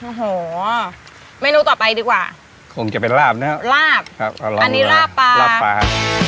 โอ้โหเมนูต่อไปดีกว่าคงจะเป็นลาบนะครับลาบครับอร่อยอันนี้ลาบปลาลาบปลา